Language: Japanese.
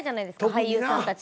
俳優さんたちとか。